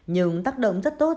nhưng tác động rất tốt